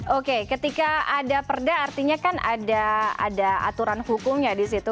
oke ketika ada perda artinya kan ada aturan hukumnya di situ